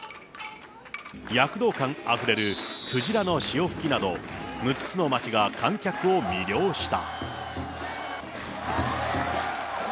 躍動感あふれる鯨の潮吹きなど６つの町が観客を魅了した。